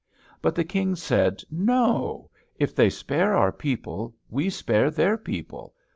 But the King said, "No! if they spare our people, we spare their people.